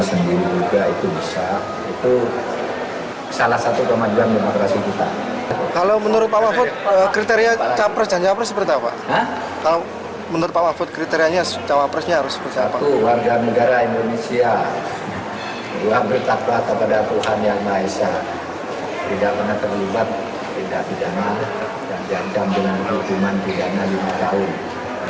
satu warga negara indonesia berdua bertakwa kepada tuhan yang maha esa tidak pernah terlibat tidak pidana dan jangkang dengan hukuman pidana lima tahun